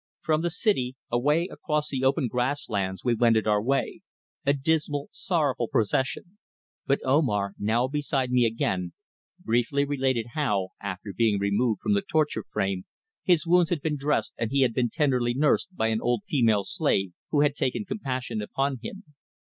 From the city away across the open grass lands we wended our way, a dismal, sorrowful procession, but Omar, now beside me again, briefly related how, after being removed from the torture frame, his wounds had been dressed and he had been tenderly nursed by an old female slave who had taken compassion upon him.